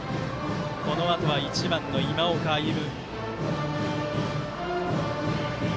このあとは１番の今岡歩夢。